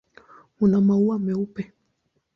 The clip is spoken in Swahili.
Una maua meupe.